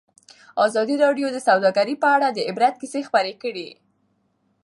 ازادي راډیو د سوداګري په اړه د عبرت کیسې خبر کړي.